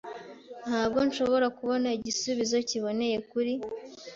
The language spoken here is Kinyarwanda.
Ntabwo nshobora kubona igisubizo kiboneye kuri